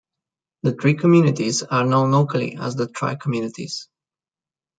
The three communities are known locally as the 'tri-communities'.